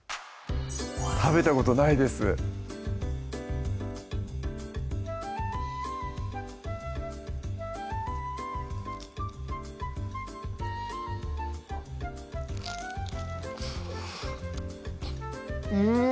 食べたことないですうん！